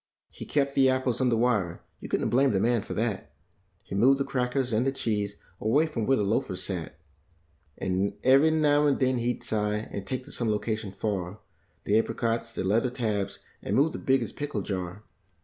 He kept the apples under wire; you couldn't blame the man for that; He moved the crackers and the cheese away from where the ioafers sat. And every now and then he'd sigh and take to some location far The apricots, like leather tabs, and move the biggest pickle jar.